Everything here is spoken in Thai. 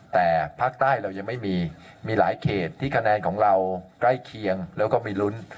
แต่ภาคใต้เรายังไม่มีมีหลายเขตที่คะแนนของเราใกล้เคียงแล้วก็มีลุ้น